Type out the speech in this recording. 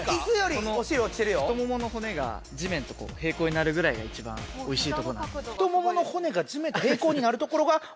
この太ももの骨が地面と平行になるぐらいが一番おいしいとこなんでおい！